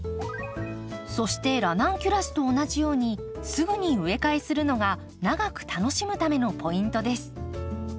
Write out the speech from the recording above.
そしてラナンキュラスと同じようにすぐに植え替えするのが長く楽しむためのポイントです。